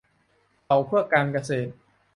เผาเพื่อการเกษตร